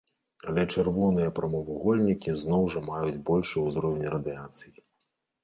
Але чырвоныя прамавугольнікі зноў жа маюць большы ўзровень радыяцыі.